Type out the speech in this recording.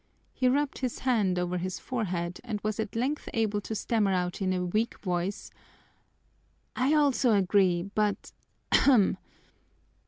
He rubbed his hand over his forehead and was at length able to stammer out in a weak voice: "I also agree, but ahem!"